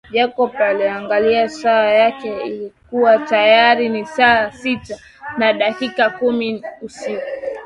Jacob aliangalia saa yake ilikua tayari ni saa sita na dakika kumi usiku